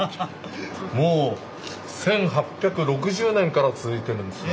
もう１８６０年から続いてるんですね。